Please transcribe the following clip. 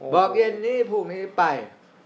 บอกเย็นนี้พรุ่งนี้ไป